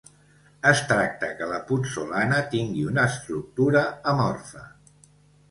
Es tracta que la putzolana tingui una estructura amorfa.